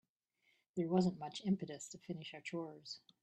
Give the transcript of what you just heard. There wasn't much impetus to finish our chores.